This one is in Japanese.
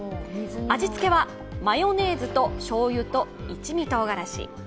味つけはマヨネーズとしょうゆと一味とうがらし。